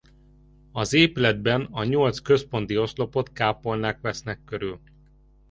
Az épületben a nyolc központi oszlopot kápolnák vesznek körül.